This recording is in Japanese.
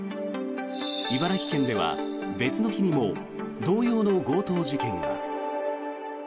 茨城県では別の日にも同様の強盗事件が。